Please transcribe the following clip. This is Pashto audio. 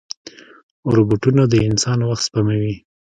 روبوټونه د انسان وخت سپموي.